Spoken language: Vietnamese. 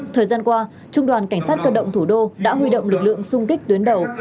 thời gian qua trung đoàn cảnh sát cơ động thủ đô đã huy động lực lượng sung kích tuyến đầu